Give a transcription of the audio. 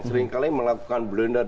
seringkali melakukan blender